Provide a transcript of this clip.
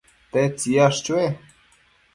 ¿tedtsi yash chue